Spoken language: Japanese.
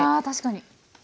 確かに！